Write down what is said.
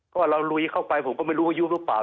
ก็เราลุยเข้าไปผมก็ไม่รู้อายุหรือเปล่า